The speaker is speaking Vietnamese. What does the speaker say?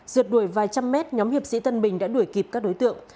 rượt đuổi vài trăm mét nhóm hiệp sĩ tân bình đã đuổi kịp các đối tượng